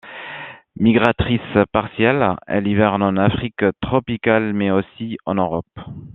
Migratrice partielle, elle hiverne en Afrique tropicale, mais aussi en Europe.